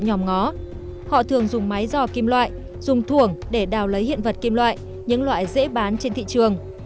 nhóm ngó họ thường dùng máy dò kim loại dùng thuồng để đào lấy hiện vật kim loại những loại dễ bán trên thị trường